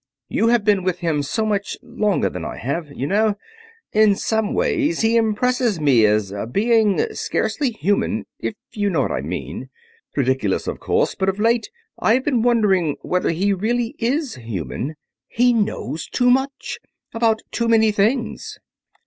You have been with him so much longer than I have, you know. In some ways he impresses one as being scarcely human, if you know what I mean. Ridiculous, of course, but of late I have been wondering whether he really is human. He knows too much, about too many things.